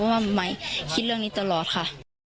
ว่าไหมคิดเรื่องนี้ตลอดค่ะ